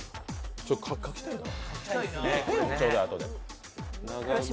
ちょっと書きたいな。